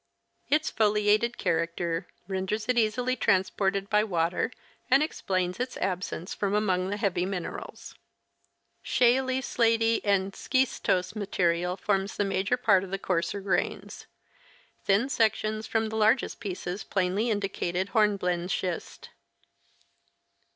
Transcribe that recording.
Its foliated character renders it easily transported by water and explains its absence from among the heavy minerals. Shaly, slaty and schistose material forms the major part of the coarser grains. Thin sections from the largest pieces plainly indicated horn blende schist.